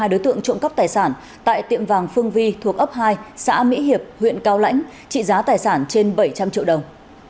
hai đối tượng trộm cắp tài sản tại tiệm vàng phương vi thuộc ấp hai xã mỹ hiệp huyện cao lãnh trị giá tài sản trên bảy trăm linh triệu đồng